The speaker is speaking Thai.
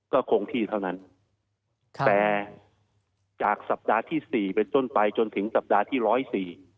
ก็คงที่เท่านั้นค่ะแต่จากสัปดาห์ที่สี่เป็นต้นไปจนถึงสัปดาห์ที่ร้อยสี่